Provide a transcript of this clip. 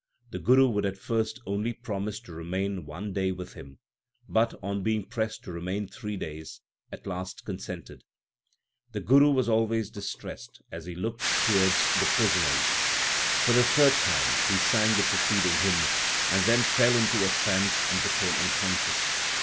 The Guru would at first only promise to remain one day with him, but, on being pressed to remain three days, at last consented. The Guru was always distressed as he looked towards the prisoners. For the third time he sang the preceding hymn, and then fell into a trance and became unconscious.